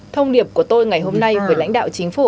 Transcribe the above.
thông điệp của tôi ngày hôm nay với lãnh đạo chính phủ